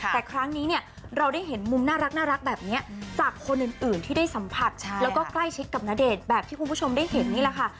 แต่ครั้งนี้เนี่ยเราได้เห็นมุมน่ารักแบบนี้จากคนอื่นที่ได้สัมผัสแล้วก็ใกล้ชิดกับณเดชน์แบบที่คุณผู้ชมได้เห็นนี่แหละค่ะ